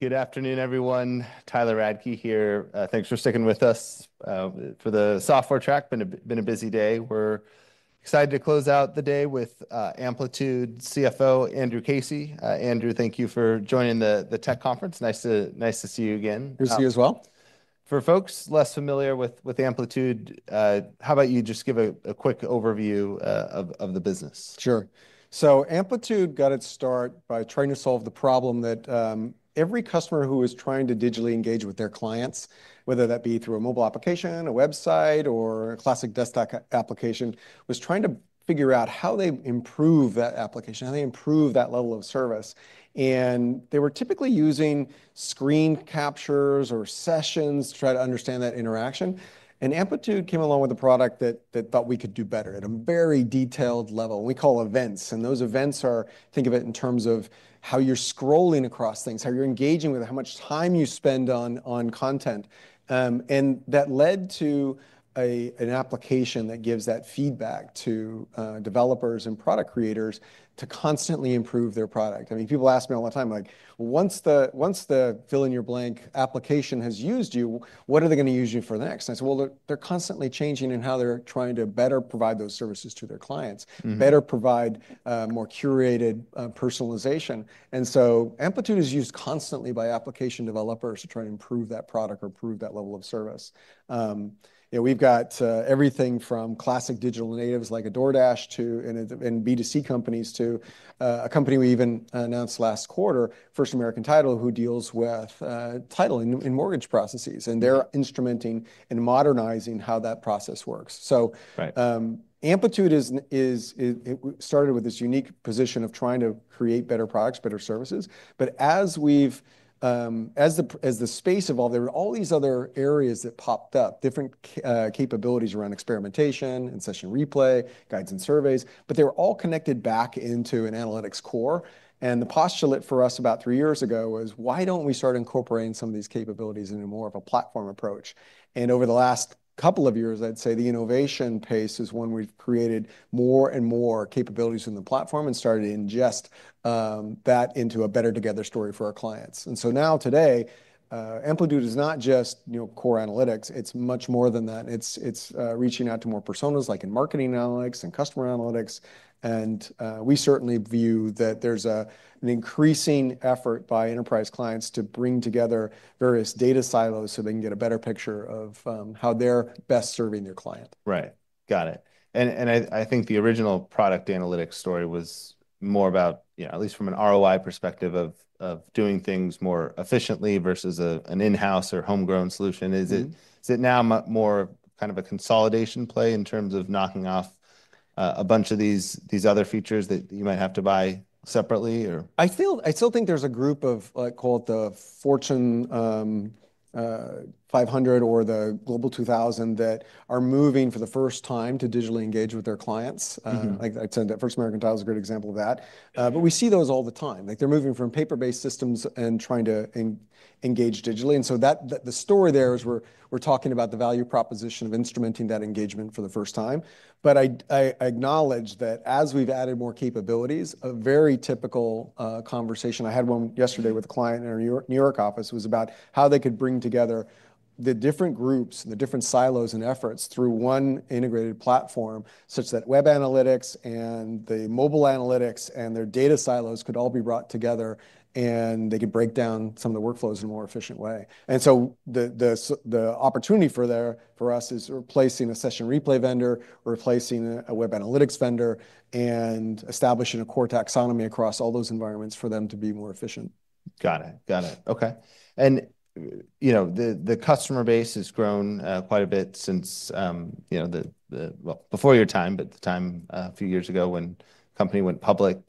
Good afternoon, everyone. Tyler Radke here. Thanks for sticking with us for the software track. It's been a busy day. We're excited to close out the day with Amplitude CFO, Andrew Casey. Andrew, thank you for joining the tech conference. Nice to see you again. Good to see you as well. For folks less familiar with Amplitude, how about you just give a quick overview of the business? Sure. Amplitude got its start by trying to solve the problem that every customer who was trying to digitally engage with their clients, whether that be through a mobile application, a website, or a classic desktop application, was trying to figure out how they improve that application, how they improve that level of service. They were typically using screen captures or sessions to try to understand that interaction. Amplitude came along with a product that thought we could do better at a very detailed level. We call events. Those events are, think of it in terms of how you're scrolling across things, how you're engaging with it, how much time you spend on content. That led to an application that gives that feedback to developers and product creators to constantly improve their product. People ask me all the time, like, once the fill-in-your-blank application has used you, what are they going to use you for next? I say, they're constantly changing in how they're trying to better provide those services to their clients, better provide more curated personalization. Amplitude is used constantly by application developers to try and improve that product or improve that level of service. We've got everything from classic digital natives like a DoorDash to B2C companies to a company we even announced last quarter, First American Title, who deals with titling in mortgage processes. They're instrumenting and modernizing how that process works. Amplitude started with this unique position of trying to create better products, better services. As the space evolved, there were all these other areas that popped up, different capabilities around Experimentation and Session Replay, Guides and Surveys. They were all connected back into an Analytics core. The postulate for us about three years ago was, why don't we start incorporating some of these capabilities in more of a platform approach? Over the last couple of years, I'd say the innovation pace is when we've created more and more capabilities in the platform and started to ingest that into a better together story for our clients. Now today, Amplitude is not just core Analytics. It's much more than that. It's reaching out to more personas, like in marketing analytics and customer analytics. We certainly view that there's an increasing effort by enterprise clients to bring together various data silos so they can get a better picture of how they're best serving their client. Right. Got it. I think the original product Analytics story was more about, at least from an ROI perspective, doing things more efficiently versus an in-house or homegrown solution. Is it now more kind of a consolidation play in terms of knocking off a bunch of these other features that you might have to buy separately? I still think there's a group of, call it the Fortune 500 or the Global 2000, that are moving for the first time to digitally engage with their clients. I'd say that First American Title is a great example of that. We see those all the time. They're moving from paper-based systems and trying to engage digitally. The story there is we're talking about the value proposition of instrumenting that engagement for the first time. I acknowledge that as we've added more capabilities, a very typical conversation—I had one yesterday with a client in our New York office—was about how they could bring together the different groups, the different silos and efforts through one integrated platform such that web analytics and the mobile analytics and their data silos could all be brought together. They could break down some of the workflows in a more efficient way. The opportunity for us is replacing a Session Replay vendor, replacing a web analytics vendor, and establishing a core taxonomy across all those environments for them to be more efficient. Got it. OK. You know the customer base has grown quite a bit since before your time, but the time a few years ago when the company went public.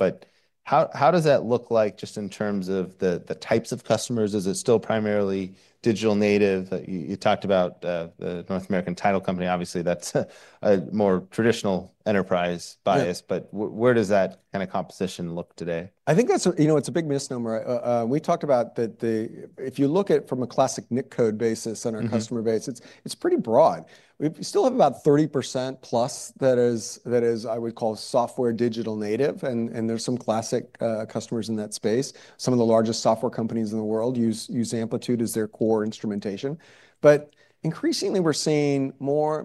How does that look like just in terms of the types of customers? Is it still primarily digital native? You talked about the North American Title Company. Obviously, that's a more traditional enterprise bias. Where does that kind of composition look today? I think it's a big misnomer. We talked about that if you look at it from a classic NIC code basis on our customer base, it's pretty broad. We still have about 30%+ that is, I would call, software digital native. There are some classic customers in that space. Some of the largest software companies in the world use Amplitude as their core instrumentation. Increasingly, we're seeing more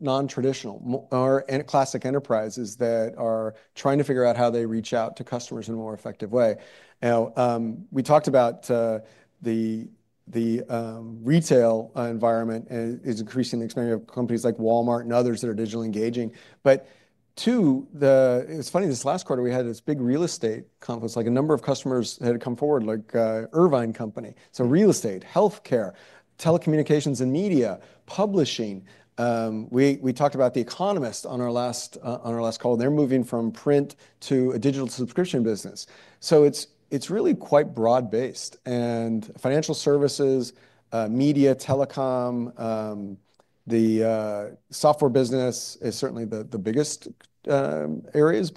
non-traditional or classic enterprises that are trying to figure out how they reach out to customers in a more effective way. We talked about the retail environment is increasingly expanding with companies like Walmart and others that are digitally engaging. This last quarter we had this big real estate conference. A number of customers had come forward, like Irvine Company. Real estate, health care, telecommunications and media, publishing. We talked about The Economist on our last call. They're moving from print to a digital subscription business. It's really quite broad-based. Financial services, media, telecom, the software business is certainly the biggest areas.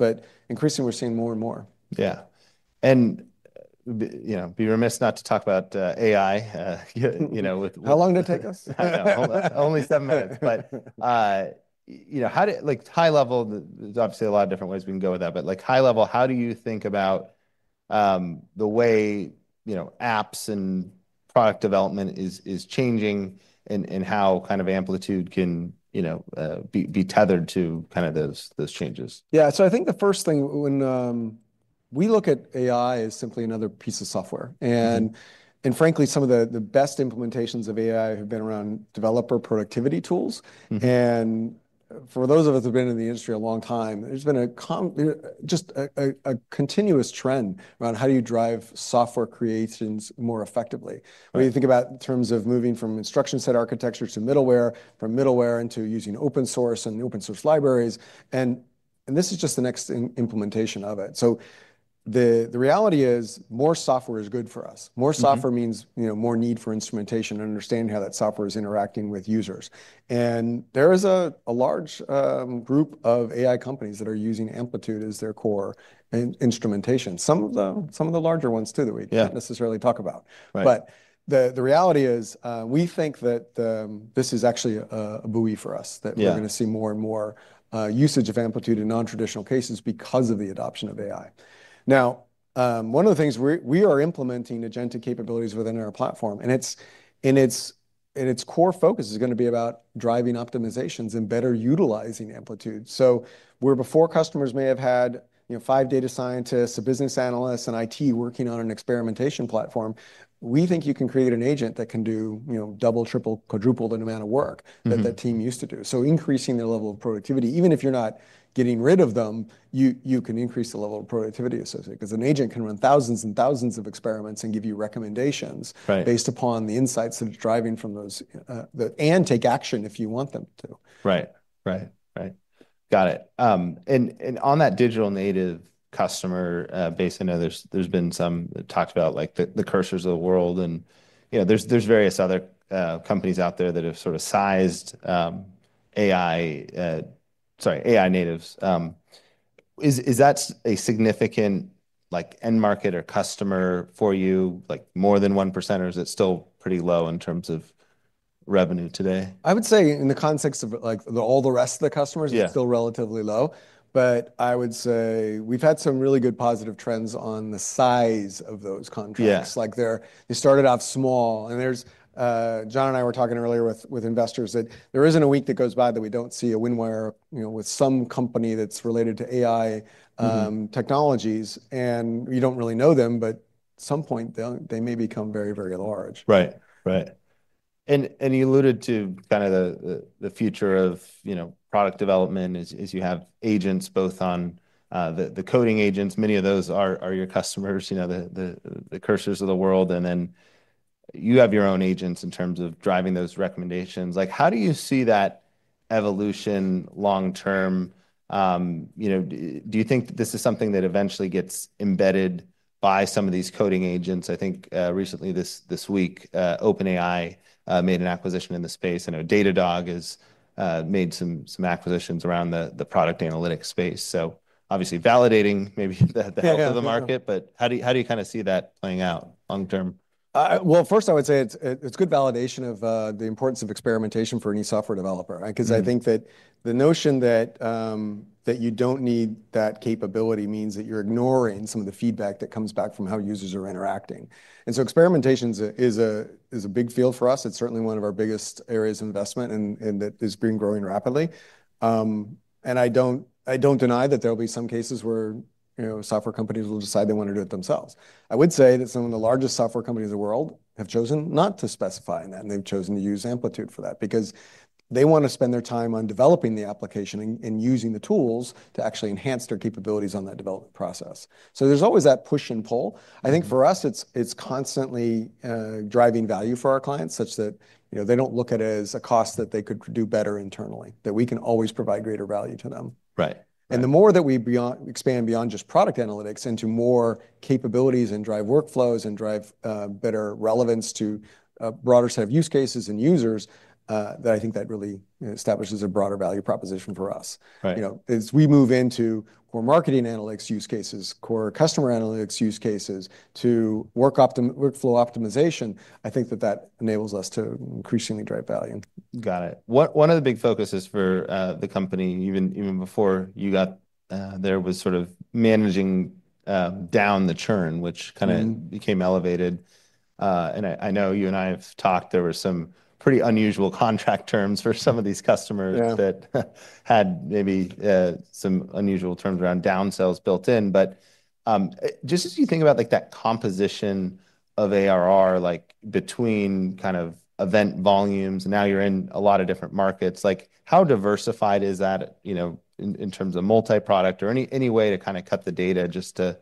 Increasingly, we're seeing more and more. Yeah, I'd be remiss not to talk about AI. How long did it take us? Only seven minutes. High level, there's obviously a lot of different ways we can go with that. High level, how do you think about the way apps and product development is changing and how kind of Amplitude can be tethered to kind of those changes? Yeah. I think the first thing when we look at AI is simply another piece of software. Frankly, some of the best implementations of AI have been around developer productivity tools. For those of us who've been in the industry a long time, there's been just a continuous trend around how do you drive software creations more effectively. You think about in terms of moving from instruction set architectures to middleware, from middleware into using open source and open source libraries. This is just the next implementation of it. The reality is more software is good for us. More software means more need for instrumentation and understanding how that software is interacting with users. There is a large group of AI companies that are using Amplitude as their core instrumentation. Some of the larger ones, too, that we didn't necessarily talk about. The reality is we think that this is actually a buoy for us, that we're going to see more and more usage of Amplitude in non-traditional cases because of the adoption of AI. One of the things we are implementing is agenda capabilities within our platform, and its core focus is going to be about driving optimizations and better utilizing Amplitude. Where before customers may have had five data scientists, a business analyst, and IT working on an experimentation platform, we think you can create an agent that can do double, triple, quadruple the amount of work that that team used to do. Increasing their level of productivity, even if you're not getting rid of them, you can increase the level of productivity associated. An agent can run thousands and thousands of experiments and give you recommendations based upon the insights that's driving from those, and take action if you want them to. Right. Got it. On that digital native customer base, I know there's been some that talked about the Cursors of the world. There are various other companies out there that have sort of sized AI-native businesses. Is that a significant end market or customer for you, like more than 1%? Or is it still pretty low in terms of revenue today? I would say in the context of all the rest of the customers, it's still relatively low. I would say we've had some really good positive trends on the size of those contracts. They started off small. John and I were talking earlier with investors that there isn't a week that goes by that we don't see a win-winner with some company that's related to AI technologies. You don't really know them. At some point, they may become very, very large. Right. Right. You alluded to kind of the future of product development as you have agents both on the coding agents. Many of those are your customers, the cursors of the world. You have your own agents in terms of driving those recommendations. How do you see that evolution long term? Do you think this is something that eventually gets embedded by some of these coding agents? I think recently this week, OpenAI made an acquisition in the space. I know Datadog has made some acquisitions around the product analytics space, obviously validating maybe the health of the market. How do you kind of see that playing out long term? First, I would say it's good validation of the importance of Experimentation for any software developer. I think that the notion that you don't need that capability means that you're ignoring some of the feedback that comes back from how users are interacting. Experimentation is a big field for us. It's certainly one of our biggest areas of investment and that has been growing rapidly. I don't deny that there will be some cases where software companies will decide they want to do it themselves. I would say that some of the largest software companies in the world have chosen not to specify that. They've chosen to use Amplitude for that because they want to spend their time on developing the application and using the tools to actually enhance their capabilities on that development process. There's always that push and pull. I think for us, it's constantly driving value for our clients such that they don't look at it as a cost that they could do better internally, that we can always provide greater value to them. The more that we expand beyond just product Analytics into more capabilities and drive workflows and drive better relevance to a broader set of use cases and users, I think that really establishes a broader value proposition for us. As we move into more marketing Analytics use cases, core customer Analytics use cases, to workflow optimization, I think that that enables us to increasingly drive value. Got it. One of the big focuses for the company, even before you got there, was sort of managing down the churn, which kind of became elevated. I know you and I have talked. There were some pretty unusual contract terms for some of these customers that had maybe some unusual terms around down sales built in. Just as you think about that composition of ARR, like between kind of event volumes, and now you're in a lot of different markets, how diversified is that in terms of multi-product or any way to kind of cut the data just to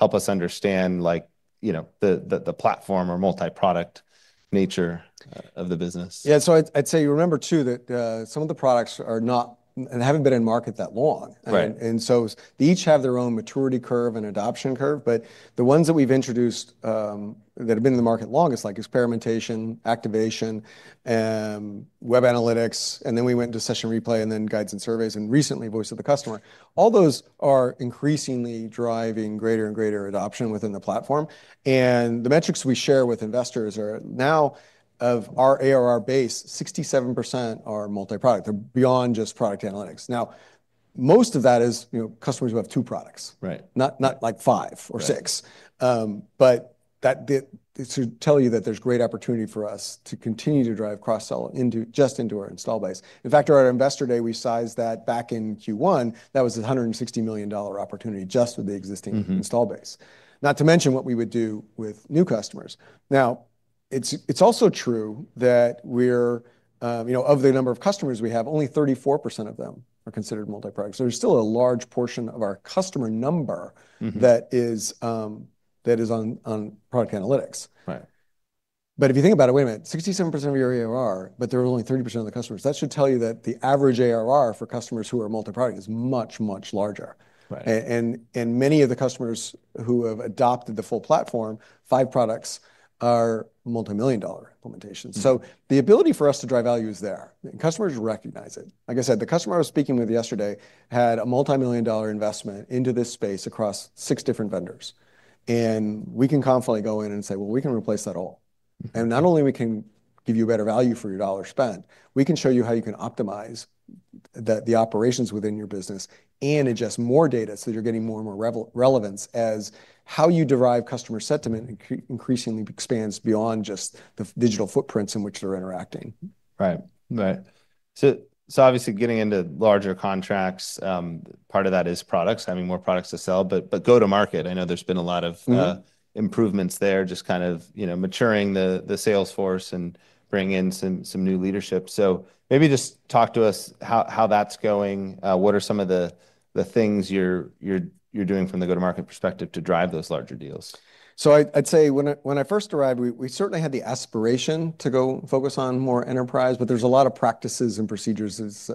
help us understand the platform or multi-product nature of the business? Yeah. I'd say you remember, too, that some of the products are not and haven't been in market that long. They each have their own maturity curve and adoption curve. The ones that we've introduced that have been in the market longest, like Experimentation, Activation, web analytics, then we went into Session Replay, then Guides and Surveys, and recently Voice of the Customer, all those are increasingly driving greater and greater adoption within the platform. The metrics we share with investors are now of our ARR base, 67% are multi-product. They're beyond just product analytics. Most of that is customers who have two products, not like five or six. That should tell you that there's great opportunity for us to continue to drive cross-sell just into our install base. In fact, during our investor day, we sized that back in Q1. That was a $160 million opportunity just with the existing install base, not to mention what we would do with new customers. It's also true that of the number of customers we have, only 34% of them are considered multi-product. There's still a large portion of our customer number that is on product analytics. If you think about it, wait a minute, 67% of your ARR, but there are only 34% of the customers, that should tell you that the average ARR for customers who are multi-product is much, much larger. Many of the customers who have adopted the full platform, five products, are multimillion dollar implementations. The ability for us to drive value is there. Customers recognize it. Like I said, the customer I was speaking with yesterday had a multimillion dollar investment into this space across six different vendors. We can confidently go in and say, we can replace that all. Not only can we give you better value for your dollar spent, we can show you how you can optimize the operations within your business and ingest more data so that you're getting more and more relevance as how you derive customer sentiment increasingly expands beyond just the digital footprints in which they're interacting. Right. Right. Obviously, getting into larger contracts, part of that is products, having more products to sell. Go to market, I know there's been a lot of improvements there, just kind of maturing the sales force and bringing in some new leadership. Maybe just talk to us how that's going. What are some of the things you're doing from the go-to-market perspective to drive those larger deals? I'd say when I first arrived, we certainly had the aspiration to go focus on more enterprise. There were a lot of practices and procedures, as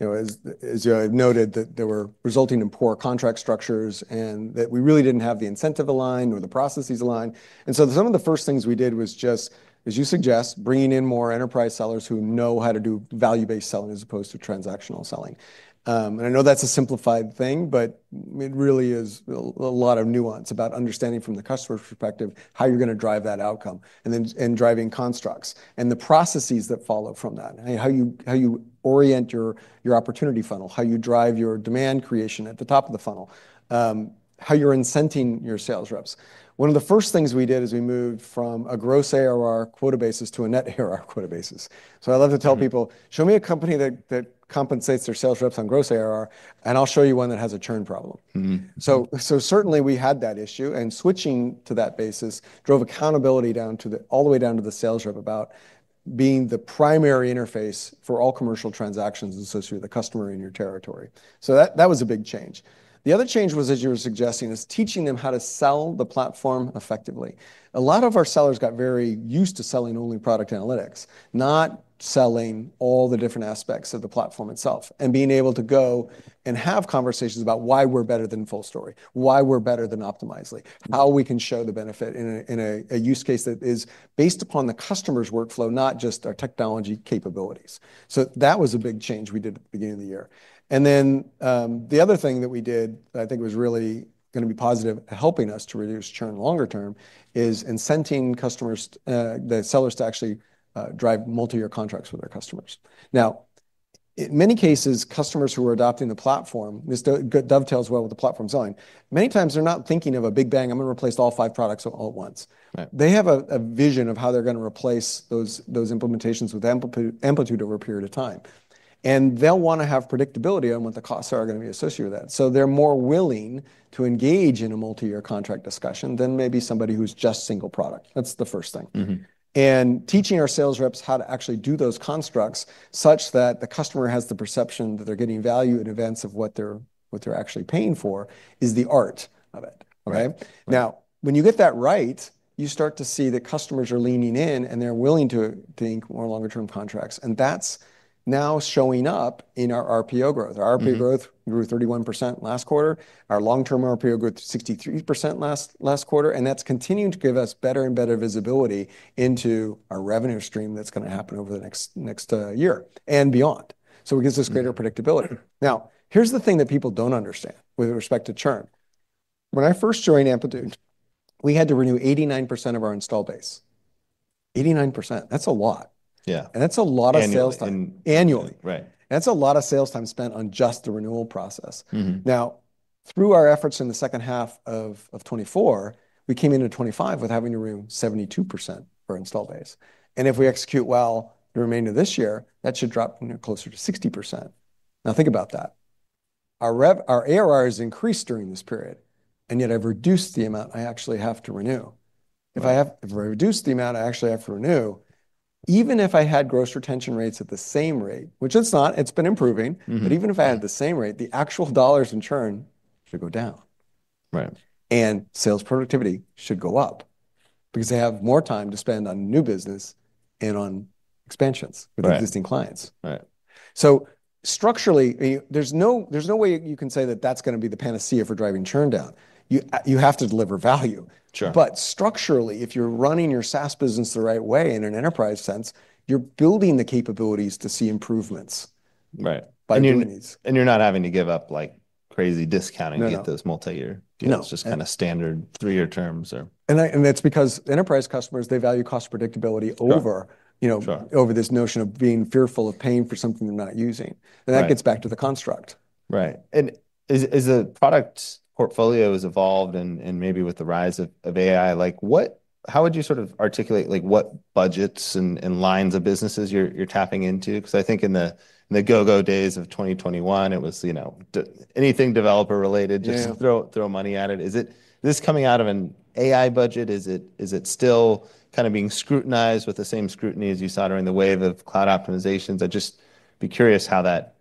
you noted, that were resulting in poor contract structures and that we really didn't have the incentive aligned or the processes aligned. Some of the first things we did was just, as you suggest, bringing in more enterprise sellers who know how to do value-based selling as opposed to transactional selling. I know that's a simplified thing, but it really is a lot of nuance about understanding from the customer's perspective how you're going to drive that outcome and driving constructs and the processes that follow from that, how you orient your opportunity funnel, how you drive your demand creation at the top of the funnel, how you're incenting your sales reps. One of the first things we did is we moved from a gross ARR quota basis to a net ARR quota basis. I love to tell people, show me a company that compensates their sales reps on gross ARR, and I'll show you one that has a churn problem. We certainly had that issue, and switching to that basis drove accountability all the way down to the sales rep about being the primary interface for all commercial transactions associated with a customer in your territory. That was a big change. The other change was, as you were suggesting, teaching them how to sell the platform effectively. A lot of our sellers got very used to selling only product analytics, not selling all the different aspects of the platform itself, and being able to go and have conversations about why we're better than Fulls tory, why we're better than Optimizely, how we can show the benefit in a use case that is based upon the customer's workflow, not just our technology capabilities. That was a big change we did at the beginning of the year. The other thing that we did that I think was really going to be positive in helping us to reduce churn longer term is incenting customers, the sellers to actually drive multi-year contracts for their customers. In many cases, customers who are adopting the platform, this dovetails well with the platform selling. Many times, they're not thinking of a big bang. I'm going to replace all five products all at once. They have a vision of how they're going to replace those implementations with Amplitude over a period of time, and they'll want to have predictability on what the costs are going to be associated with that. They are more willing to engage in a multi-year contract discussion than maybe somebody who's just single product. That's the first thing. Teaching our sales reps how to actually do those constructs such that the customer has the perception that they're getting value in advance of what they're actually paying for is the art of it. When you get that right, you start to see that customers are leaning in. They're willing to think more longer-term contracts. That's now showing up in our RPO growth. Our RPO growth grew 31% last quarter. Our long-term RPO grew 63% last quarter. That's continuing to give us better and better visibility into our revenue stream that's going to happen over the next year and beyond. It gives us greater predictability. Here's the thing that people don't understand with respect to churn. When I first joined Amplitude, we had to renew 89% of our install base. 89%. That's a lot. That's a lot of sales time annually. That's a lot of sales time spent on just the renewal process. Through our efforts in the second half of 2024, we came into 2025 with having to renew 72% for our install base. If we execute well the remainder of this year, that should drop closer to 60%. Think about that. Our ARR has increased during this period, and yet I've reduced the amount I actually have to renew. If I reduce the amount I actually have to renew, even if I had gross retention rates at the same rate, which it's not, it's been improving, but even if I had the same rate, the actual dollars in churn should go down. Sales productivity should go up because they have more time to spend on new business and on expansions with existing clients. Structurally, there's no way you can say that that's going to be the panacea for driving churn down. You have to deliver value. Structurally, if you're running your SaaS business the right way in an enterprise sense, you're building the capabilities to see improvements by new needs. You're not having to give up crazy discounting to get those multi-year. It's just kind of standard three-year terms. Enterprise customers value cost predictability over this notion of being fearful of paying for something they're not using. That gets back to the construct. Right. As the product portfolio has evolved and maybe with the rise of AI, how would you sort of articulate what budgets and lines of businesses you're tapping into? I think in the go-go days of 2021, it was anything developer related, just throw money at it. Is this coming out of an AI budget? Is it still kind of being scrutinized with the same scrutiny as you saw during the wave of cloud optimizations? I'd just be curious how that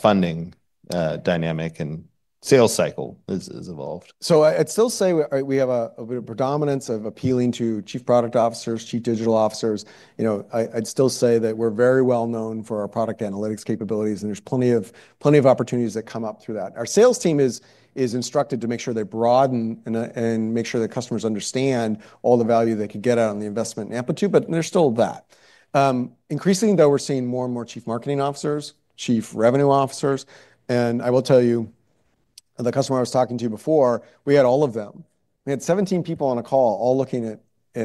funding dynamic and sales cycle has evolved. I'd still say we have a predominance of appealing to Chief Product Officers, Chief Digital Officers. I'd still say that we're very well known for our product analytics capabilities, and there's plenty of opportunities that come up through that. Our sales team is instructed to make sure they broaden and make sure that customers understand all the value they could get out on the investment in Amplitude. There's still that. Increasingly, though, we're seeing more and more Chief Marketing Officers, Chief Revenue Officers. I will tell you, the customer I was talking to before, we had all of them. We had 17 people on a call all looking at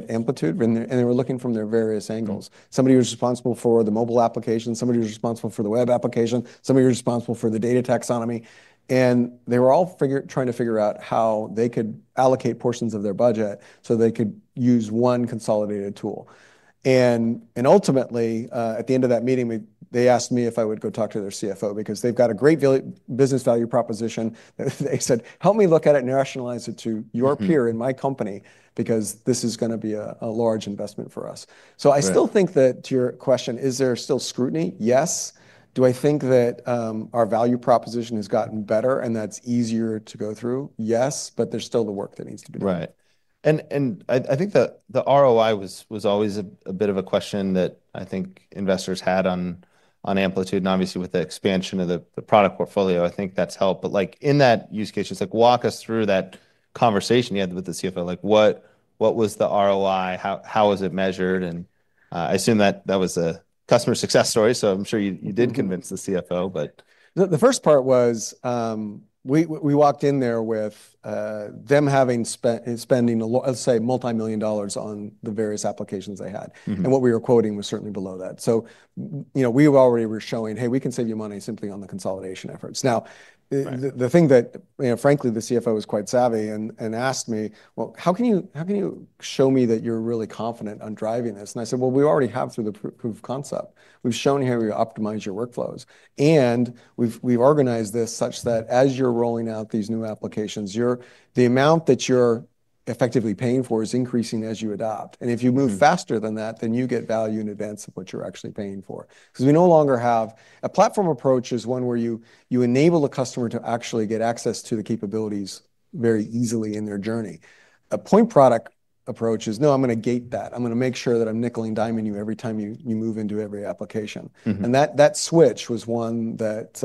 Amplitude, and they were looking from their various angles. Somebody was responsible for the mobile application, somebody was responsible for the web application, somebody was responsible for the data taxonomy, and they were all trying to figure out how they could allocate portions of their budget so they could use one consolidated tool. Ultimately, at the end of that meeting, they asked me if I would go talk to their CFO because they've got a great business value proposition. They said, help me look at it and rationalize it to your peer in my company because this is going to be a large investment for us. I still think that to your question, is there still scrutiny? Yes. Do I think that our value proposition has gotten better and that's easier to go through? Yes. There's still the work that needs to be done. Right. I think the ROI was always a bit of a question that I think investors had on Amplitude. Obviously, with the expansion of the product portfolio, I think that's helped. In that use case, just walk us through that conversation you had with the CFO. What was the ROI? How was it measured? I assume that was a customer success story. I'm sure you did convince the CFO. The first part was we walked in there with them having spent a lot, let's say, multimillion dollars on the various applications they had. What we were quoting was certainly below that. We already were showing, hey, we can save you money simply on the consolidation efforts. The thing that, frankly, the CFO was quite savvy and asked me, how can you show me that you're really confident on driving this? I said, we already have through the proof of concept. We've shown how we optimize your workflows. We've organized this such that as you're rolling out these new applications, the amount that you're effectively paying for is increasing as you adopt. If you move faster than that, then you get value in advance of what you're actually paying for. We no longer have a platform approach as one where you enable the customer to actually get access to the capabilities very easily in their journey. A point product approach is, no, I'm going to gate that. I'm going to make sure that I'm nickel and diming you every time you move into every application. That switch was one that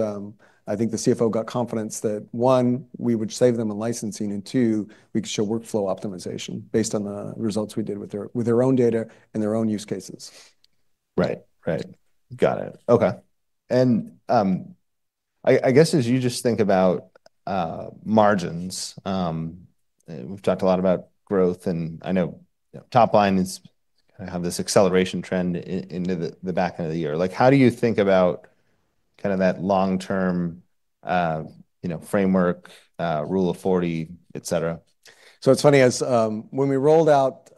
I think the CFO got confidence that, one, we would save them on licensing. Two, we could show workflow optimization based on the results we did with their own data and their own use cases. Right. Got it. OK. I guess as you just think about margins, we've talked a lot about growth. I know Topline has had this acceleration trend into the back end of the year. How do you think about kind of that long-term framework, rule of 40, et cetera? It's funny. When we rolled out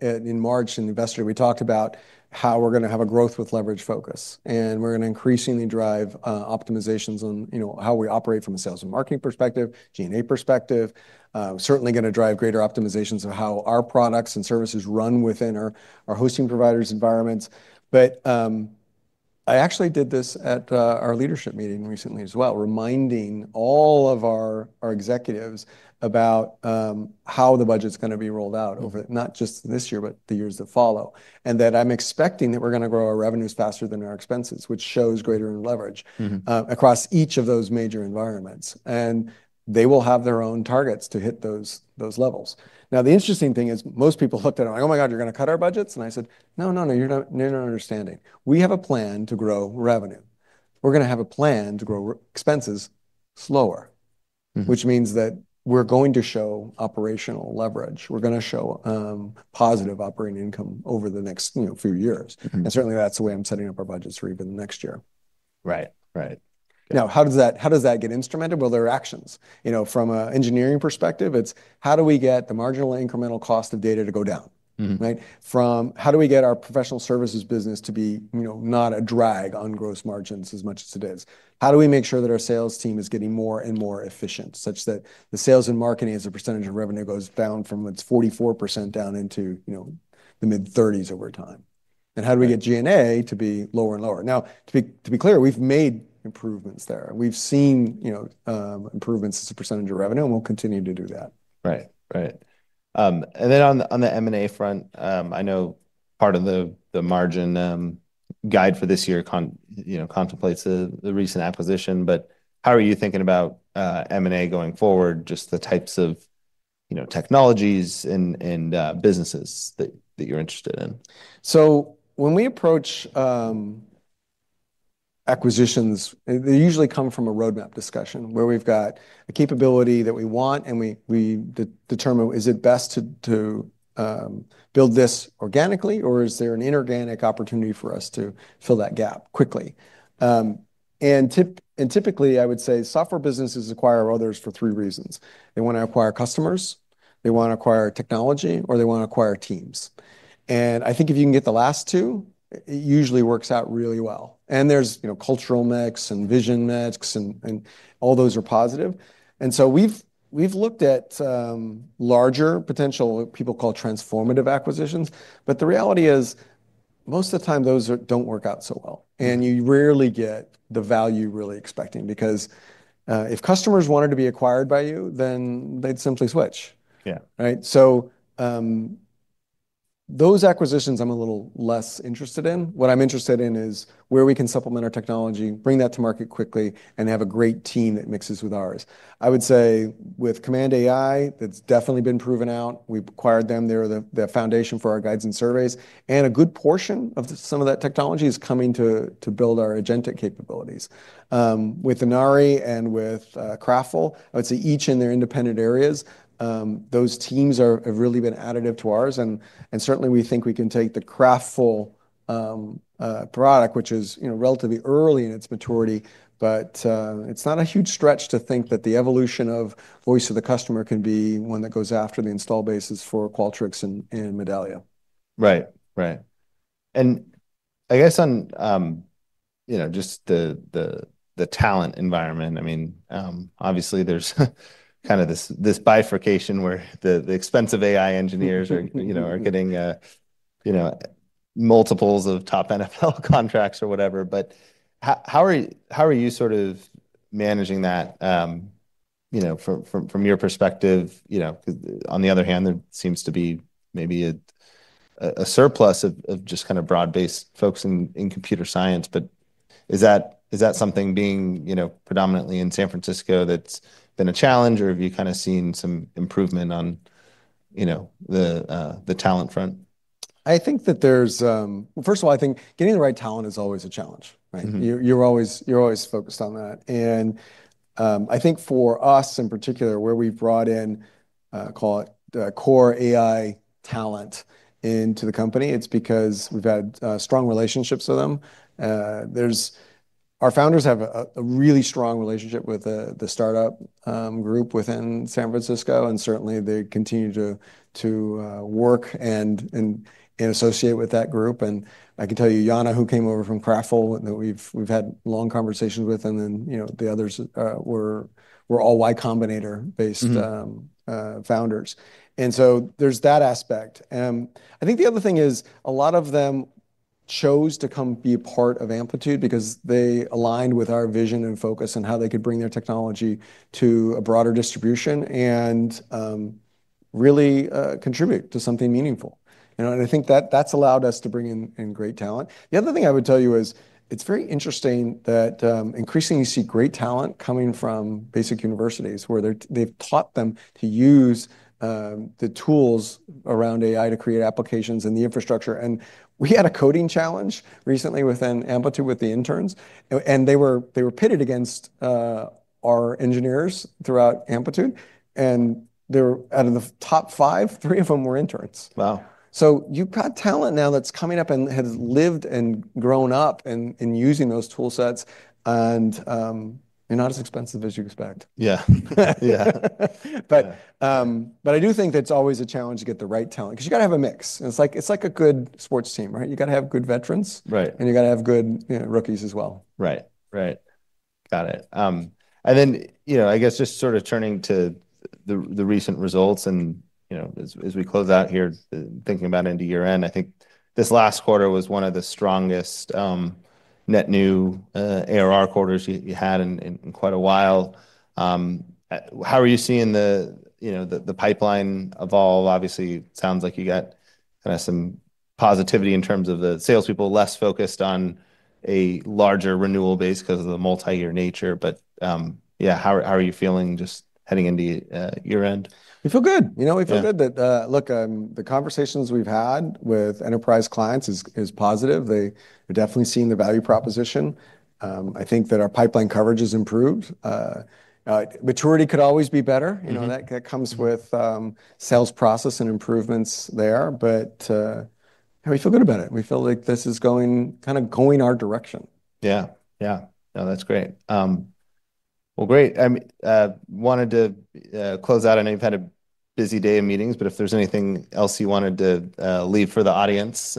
in March, an investor, we talked about how we're going to have a growth with leverage focus. We're going to increasingly drive optimizations on how we operate from a sales and marketing perspective, G&A perspective. We're certainly going to drive greater optimizations of how our products and services run within our hosting provider's environments. I actually did this at our leadership meeting recently as well, reminding all of our executives about how the budget's going to be rolled out over not just this year, but the years that follow. I'm expecting that we're going to grow our revenues faster than our expenses, which shows greater leverage across each of those major environments. They will have their own targets to hit those levels. The interesting thing is most people looked at it like, oh my god, you're going to cut our budgets? I said, no, no, no, you're not understanding. We have a plan to grow revenue. We're going to have a plan to grow expenses slower, which means that we're going to show operational leverage. We're going to show positive operating income over the next few years. That's the way I'm setting up our budgets for even the next year. Right. Right. Now, how does that get instrumented? There are actions. From an engineering perspective, it's how do we get the marginal incremental cost of data to go down? How do we get our professional services business to be not a drag on gross margins as much as it is? How do we make sure that our sales team is getting more and more efficient such that the sales and marketing as a percentage of revenue goes down from its 44% down into the mid-30s over time? How do we get G&A to be lower and lower? To be clear, we've made improvements there. We've seen improvements as a percentage of revenue, and we'll continue to do that. Right. Right. On the M&A front, I know part of the margin guide for this year contemplates the recent acquisition. How are you thinking about M&A going forward, just the types of technologies and businesses that you're interested in? When we approach acquisitions, they usually come from a roadmap discussion where we've got a capability that we want. We determine, is it best to build this organically? Or is there an inorganic opportunity for us to fill that gap quickly? Typically, I would say software businesses acquire others for three reasons. They want to acquire customers, they want to acquire technology, or they want to acquire teams. I think if you can get the last two, it usually works out really well. There's cultural mix and vision mix, and all those are positive. We've looked at larger potential, what people call transformative acquisitions. The reality is most of the time, those don't work out so well. You rarely get the value you're really expecting, because if customers wanted to be acquired by you, then they'd simply switch. Those acquisitions, I'm a little less interested in. What I'm interested in is where we can supplement our technology, bring that to market quickly, and have a great team that mixes with ours. I would say with Command AI, that's definitely been proven out. We've acquired them, they're the foundation for our Guides and Surveys, and a good portion of some of that technology is coming to build our agenda capabilities. With Inari and with Craftful, I would say each in their independent areas, those teams have really been additive to ours. Certainly, we think we can take the Craftful product, which is relatively early in its maturity, but it's not a huge stretch to think that the evolution of Voice of the Customer can be one that goes after the install bases for Qualtrics and Medallia. Right. Right. I guess on just the talent environment, obviously, there's kind of this bifurcation where the expensive AI engineers are getting multiples of top NFL contracts or whatever. How are you sort of managing that from your perspective? On the other hand, there seems to be maybe a surplus of just kind of broad-based folks in computer science. Is that something being predominantly in San Francisco that's been a challenge? Have you kind of seen some improvement on the talent front? I think that, first of all, getting the right talent is always a challenge. You're always focused on that. I think for us in particular, where we've brought in core AI talent into the company, it's because we've had strong relationships with them. Our founders have a really strong relationship with the startup group within San Francisco. They continue to work and associate with that group. I can tell you Yana, who came over from Craftful, we've had long conversations with. The others were all Y Combinator-based founders. There's that aspect. I think the other thing is a lot of them chose to come be a part of Amplitude because they aligned with our vision and focus and how they could bring their technology to a broader distribution and really contribute to something meaningful. I think that's allowed us to bring in great talent. The other thing I would tell you is it's very interesting that increasingly you see great talent coming from basic universities where they've taught them to use the tools around AI to create applications and the infrastructure. We had a coding challenge recently within Amplitude with the interns. They were pitted against our engineers throughout Amplitude. Out of the top five, three of them were interns. Wow. You've got talent now that's coming up and has lived and grown up using those tool sets. They're not as expensive as you expect. Yeah. Yeah. I do think that's always a challenge to get the right talent because you've got to have a mix. It's like a good sports team. You've got to have good veterans, and you've got to have good rookies as well. Right. Got it. I guess just sort of turning to the recent results. As we close out here, thinking about end of year end, I think this last quarter was one of the strongest net new ARR quarters you had in quite a while. How are you seeing the pipeline evolve? Obviously, it sounds like you got kind of some positivity in terms of the salespeople less focused on a larger renewal base because of the multi-year nature. How are you feeling just heading into year end? We feel good. We feel good that, look, the conversations we've had with enterprise clients are positive. They're definitely seeing the value proposition. I think that our pipeline coverage has improved. Maturity could always be better. That comes with sales process and improvements there. We feel good about it. We feel like this is kind of going our direction. Yeah. Yeah. That's great. I wanted to close out. I know you've had a busy day of meetings. If there's anything else you wanted to leave for the audience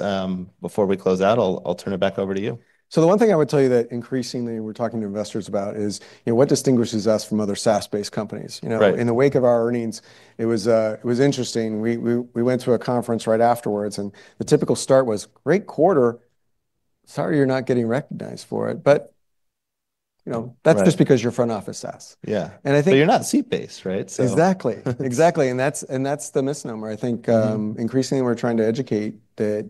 before we close out, I'll turn it back over to you. The one thing I would tell you that increasingly we're talking to investors about is what distinguishes us from other SaaS-based companies. In the wake of our earnings, it was interesting. We went to a conference right afterwards. The typical start was, great quarter. Sorry you're not getting recognized for it. That's just because you're front office SaaS. Yeah, you're not seat-based, right? Exactly. Exactly. That's the misnomer. I think increasingly, we're trying to educate that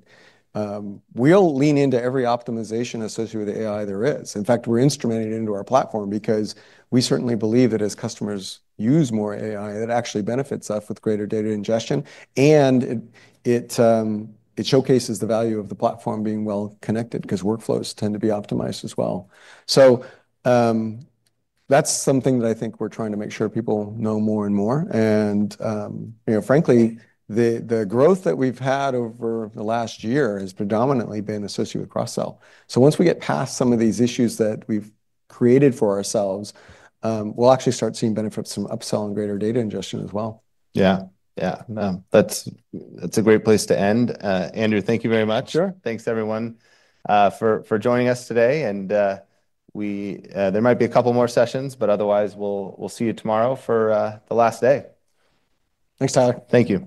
we'll lean into every optimization associated with the AI there is. In fact, we're instrumenting it into our platform because we certainly believe that as customers use more AI, it actually benefits us with greater data ingestion. It showcases the value of the platform being well connected because workflows tend to be optimized as well. That's something that I think we're trying to make sure people know more and more. Frankly, the growth that we've had over the last year has predominantly been associated with cross-sell. Once we get past some of these issues that we've created for ourselves, we'll actually start seeing benefits from up-sell and greater data ingestion as well. Yeah. Yeah. That's a great place to end. Andrew, thank you very much. Sure. Thanks, everyone, for joining us today. There might be a couple more sessions. Otherwise, we'll see you tomorrow for the last day. Thanks, Tyler. Thank you.